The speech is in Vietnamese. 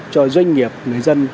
cho doanh nghiệp người dân